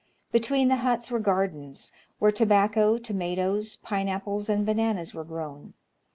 Between the huts were gardens, where tobacco, tomatoes, pine apples, and bananas were grown.